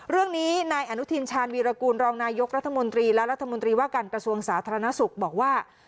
เรื่องนี้นายอนุทินชาญวีรกูลรองนายกรัฐมนตรีและรัฐมนตรีว่าการกระทรวงสาธารณสุขบอกว่า